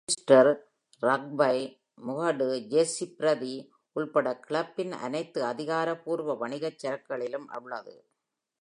Ulster Rugby முகடு, jersey பிரதி உள்பட கிளப்பின் அனைத்து அதிகாரப்பூர்வ வணிகச் சரக்குகளிலும் உள்ளது.